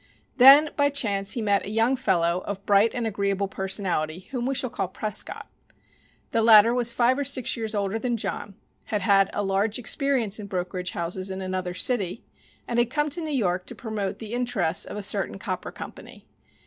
Then by chance he met a young fellow of bright and agreeable personality whom we shall call Prescott. The latter was five or six years older than John, had had a large experience in brokerage houses in another city, and had come to New York to promote the interests of a certain copper company.